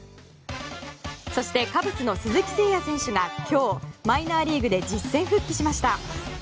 そしてカブスの鈴木誠也選手が今日、マイナーリーグで実戦復帰しました。